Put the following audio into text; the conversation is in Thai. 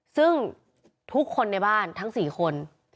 ซึ่งทุกคนในบ้านทั้ง๔คน